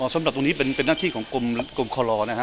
สำหรับตรงนี้เป็นหน้าที่ของกรมคลอนะฮะ